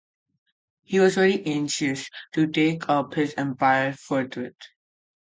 He was very anxious to take up his empire forthwith.